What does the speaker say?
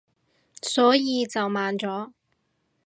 所以就慢咗